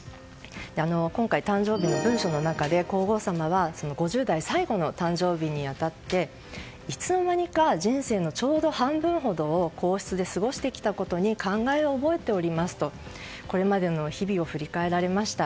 今回、誕生日の文書の中で皇后さまは５０代最後の誕生日に当たっていつの間にか人生のちょうど半分ほどを皇室で過ごしてきたことに感慨を覚えておりますとこれまでの日々を振り返られました。